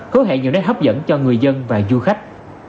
hứa hẹn nhiều nét hấp dẫn cho người dân và du khách